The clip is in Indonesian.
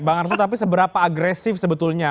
bang arsul tapi seberapa agresif sebetulnya